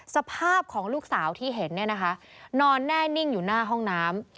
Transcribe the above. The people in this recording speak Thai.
สภาพของลูกสาวที่เห็นเนี่ยนะคะนอนแน่นิ่งอยู่หน้าห้องน้ำ